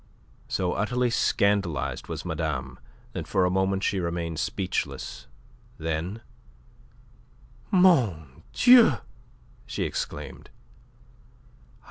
So utterly scandalized was madame that for a moment she remained speechless. Then "Mon Dieu!" she exclaimed.